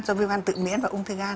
do viêm gan tự miễn và ung thư gan